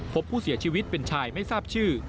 พบผู้เสียชีวิตเป็นชายไม่ทราบชื่อ